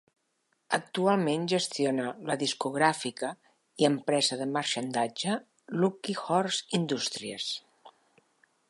Actualment gestiona la discogràfica i empresa de marxandatge Luckyhorse Industries.